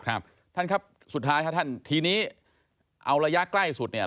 ครับท่านครับสุดท้ายครับท่านทีนี้เอาระยะใกล้สุดเนี่ย